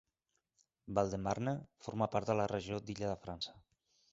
Val-de-Marne forma part de la regió d'Illa de França.